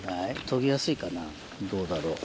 研ぎやすいかなどうだろう。